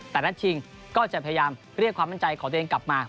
แต่นัดชิงก็จะพยายามเรียกความมั่นใจของตัวเองกลับมา